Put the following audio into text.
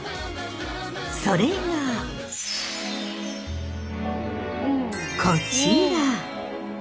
それがこちら！